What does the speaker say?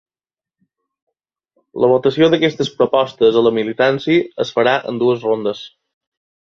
La votació d’aquestes propostes a la militància es farà en dues rondes.